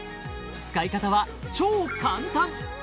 使い方は超簡単！